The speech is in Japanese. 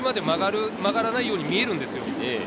ぎりぎりまで曲がらないように見えるんですよ。